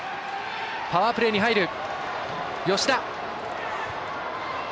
パワープレーに入る。